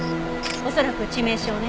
恐らく致命傷ね。